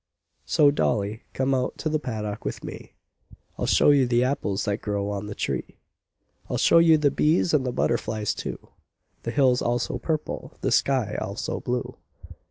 "So, dolly, come out to the paddock with me, I'll show you the apples that grow on the tree, I'll show you the bees, and the butterflies, too, The hills all so purple, the sky all so blue.